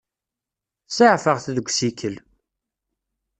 Saεfeɣ-t deg usikel.